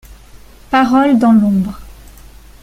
Paroles dans l’ombre